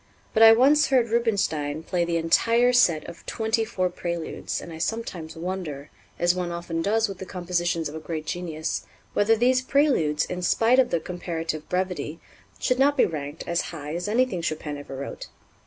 But I once heard Rubinstein play the entire set of twenty four Préludes, and I sometimes wonder, as one often does with the compositions of a great genius, whether these Préludes, in spite of their comparative brevity, should not be ranked as high as anything Chopin ever wrote.